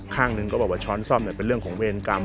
ข้างหนึ่งก็บอกว่าช้อนซ่อมเป็นเรื่องของเวรกรรม